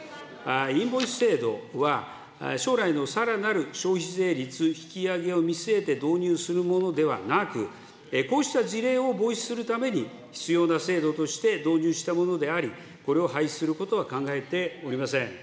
インボイス制度は、将来のさらなる消費税率引き上げを見据えて導入するものではなく、こうした事例を防止するために、必要な制度として導入したものであり、これを廃止することは考えておりません。